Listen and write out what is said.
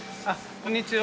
こんにちは。